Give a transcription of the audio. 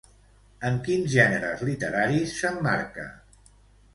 En quins gèneres literaris s'emmarca?